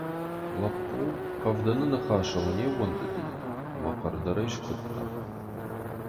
Лӕппу Хъӕвдыны ныхасыл не ’ууӕндыди ӕмӕ хъӕрдӕрӕй скуыдта.